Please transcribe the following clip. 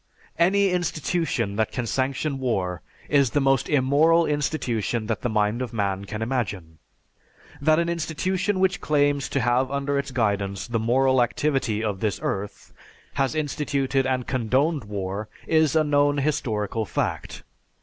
_) Any institution that can sanction war is the most immoral institution that the mind of man can imagine. That an institution which claims to have under its guidance the moral activity of this earth, has instituted and condoned war is a known historical fact.